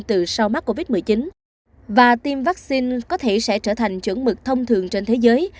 từ sau mắc covid một mươi chín và tiêm vaccine có thể sẽ trở thành chuẩn mực thông thường trên thế giới